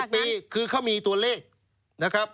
๕๐ปีเค้ามีตัวเลข